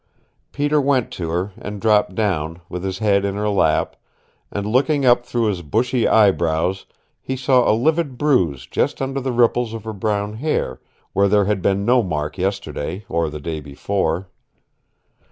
Peter went to her, and dropped down, with his head in her lap, and looking up through his bushy eye brows he saw a livid bruise just under the ripples of her brown hair, where there had been no mark yesterday, or the day before.